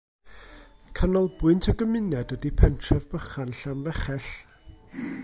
Canolbwynt y gymuned ydy pentref bychan Llanfechell.